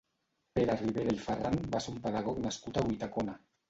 Pere Ribera i Ferran va ser un pedagog nascut a Ulldecona.